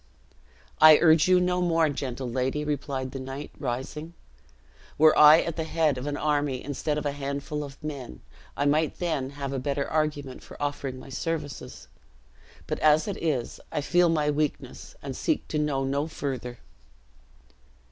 "I urge you no more, gentle lady," replied the knight, rising; "were I at the head of an army, instead of a handful of men, I might then have a better argument for offering my services; but as it is, I feel my weakness, and seek to know no further."